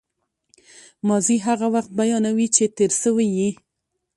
ماضي هغه وخت بیانوي، چي تېر سوی يي.